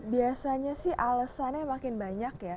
biasanya sih alesannya makin banyak ya